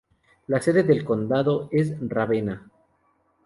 La sede del condado es Ravenna.